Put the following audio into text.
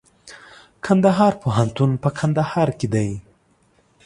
کندهار پوهنتون په کندهار کي دئ.